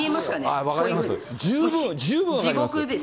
十分分かります。